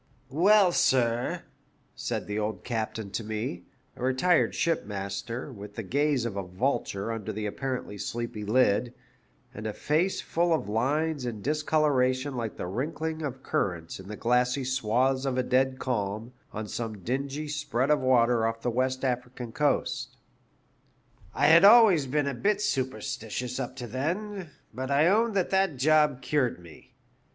Well, sir," said the old captaiu to me — a retired ship master, with the gaze of a vulture under the apparently sleepy lid, and a face full of lines and discoloration like the wrinkling of currents in the glassy swathes of a dead calm on some dingy spread of water off the West African coast —" 1 had been always a bit superstitious up to then, but I own that that job cured me.